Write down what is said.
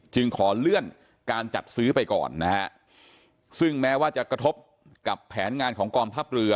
ขอเลื่อนการจัดซื้อไปก่อนนะฮะซึ่งแม้ว่าจะกระทบกับแผนงานของกองทัพเรือ